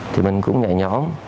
thì mình cũng nhẹ nhõn